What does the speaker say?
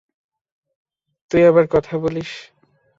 তুই আবার কথা বলিস!